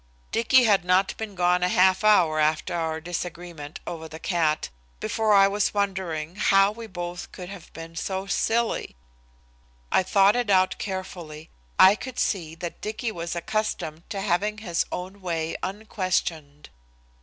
Dicky had not been gone a half hour after our disagreement over the cat before I was wondering how we both could have been so silly. I thought it out carefully. I could see that Dicky was accustomed to having his own way unquestioned.